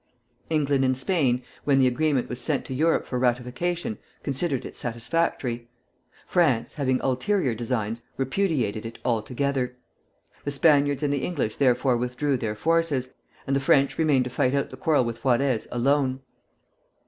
England and Spain, when the agreement was sent to Europe for ratification, considered it satisfactory. France, having ulterior designs, repudiated it altogether. The Spaniards and the English therefore withdrew their forces, and the French remained to fight out the quarrel with Juarez alone.